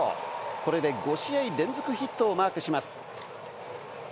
これで５試合連続ヒットをマークします。